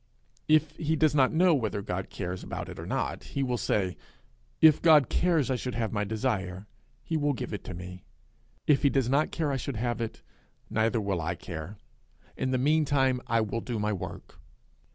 'If he does not know whether God cares about it or not, he will say, 'If God cares I should have my desire, he will give it me; if he does not care I should have it, neither will I care. In the meantime I will do my work.'